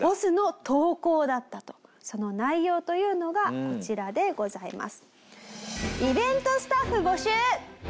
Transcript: その内容というのがこちらでございます。